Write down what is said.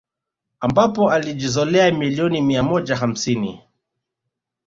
Ambapo alijizolea milioni mia moja hamsini